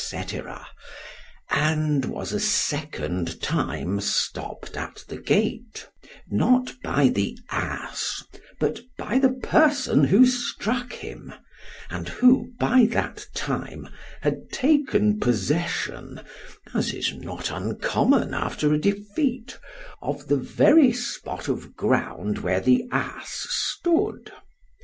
—and was a second time stopp'd at the gate——not by the ass—but by the person who struck him; and who, by that time, had taken possession (as is not uncommon after a defeat) of the very spot of ground where the ass stood.